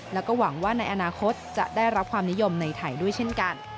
แล้วก็หวังว่าในอนาคตจะได้รับความนิยมในไทยด้วยเช่นกัน